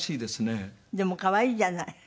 でも可愛いじゃない。